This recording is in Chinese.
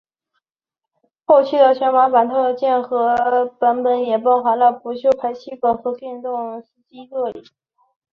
后期的小马版套件的版本也包含了不锈钢排气管和电动司机座椅。